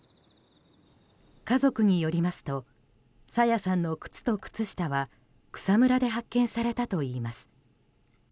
家族によりますと朝芽さんの靴と靴下は草むらで発見されたといいます。